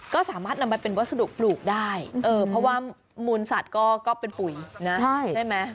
ก็สามารถนำมาเป็นวัสดุปลูกได้เพราะว่ามูลสัตว์ก็เป็นปุ๋ยนะใช่ไหม